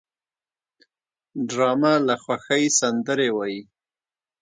ډرامه له خوښۍ سندرې وايي